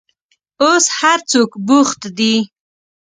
اوس هر څوک بوخت دي.